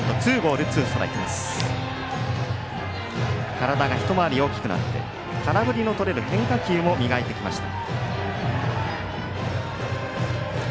体がひと回り大きくなって空振りのとれる変化球も磨いてきました。